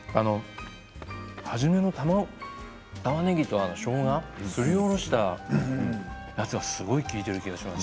初めのたまねぎとしょうがすりおろしたやつがすごい利いてる気がしますね。